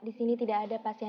di sini tidak ada pasien